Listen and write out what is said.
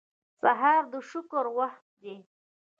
سهار د شکر وخت دی.